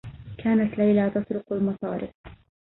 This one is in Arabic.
كانت ليلى تسرق المصارف.